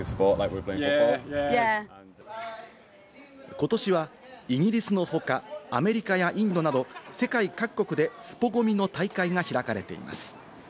ことしはイギリスの他、アメリカやインドなど世界各国でスポＧＯＭＩの大会が開かれています。